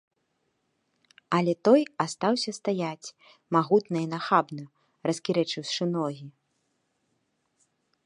Але той астаўся стаяць магутна і нахабна, раскірэчыўшы ногі.